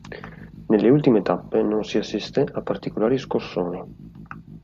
Nelle ultime tappe non si assisté a particolari scossoni.